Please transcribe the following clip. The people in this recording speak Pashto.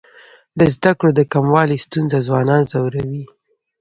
د زده کړو د کموالي ستونزه ځوانان ځوروي.